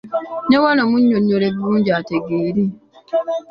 Ne wano munnyonnyole bulungi ategeere.